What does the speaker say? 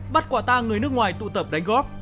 bắt quả tang người nước ngoài tụ tập đánh góp